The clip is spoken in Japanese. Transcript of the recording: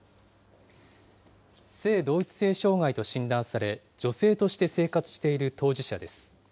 性同一性障害と診断され、女性として生活している当事者です。